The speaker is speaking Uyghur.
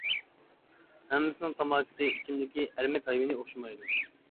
ھەممىسىنىڭ تاماكىسى، ئىچىملىكى، ئەرمەك ھايۋىنى ئوخشىمايدۇ.